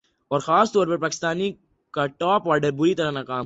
اور خاص طور پر پاکستان کا ٹاپ آرڈر بری طرح ناکام ہوا تھا